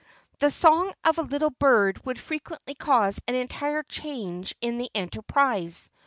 The song of a little bird would frequently cause an entire change in the enter¬ prise.